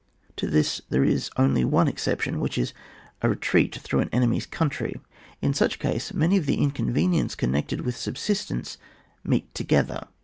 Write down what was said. To this there is only one exception, which is a retreat through an enemy's coimtiy. In such a case many of the inconveniences connected with subsistence meet together.